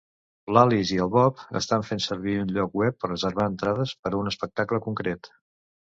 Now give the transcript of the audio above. L'Alice i el Bob estan fent servir un lloc web per reservar entrades per a un espectacle concret.